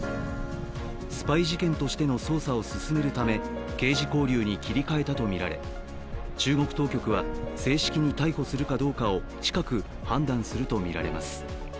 スパイ事件としての捜査を進めるため刑事拘留に切り替えたとみられ中国当局は正式に逮捕するかどうかを近く判断するとみられます。